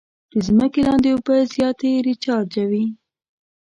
د ځمکې لاندې اوبه زیاتې او ریچارجوي.